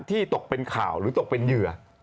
ตกเป็นข่าวหรือตกเป็นเหยื่อ